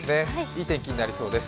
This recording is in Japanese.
いい天気になりそうです。